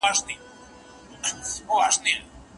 څه پوښتې چې شعر څه؟ شاعري څنگه!